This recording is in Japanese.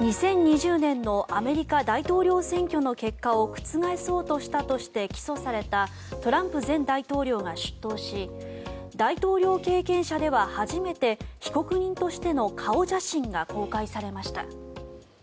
２０２０年のアメリカ大統領選挙の結果を覆そうとしたとして起訴されたトランプ前大統領が出頭し大統領経験者では初めて被告人としての顔写真が公開されました。